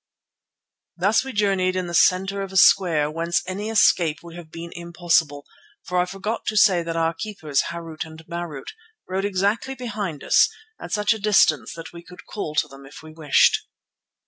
Thus we journeyed in the centre of a square whence any escape would have been impossible, for I forgot to say that our keepers Harût and Marût rode exactly behind us, at such a distance that we could call to them if we wished.